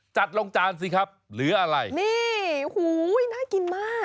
จัดลงจานสิครับหรืออะไรนี่หูยน่ากินมาก